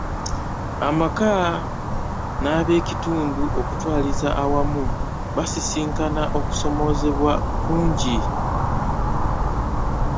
Amaka n'abekitundu okutwaliza awamu basisinkana okusomozebwa kungi .